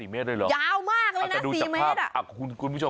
๔เมตรเลยหรือวะอาสาดูจากภาพคุณคุณผู้ชม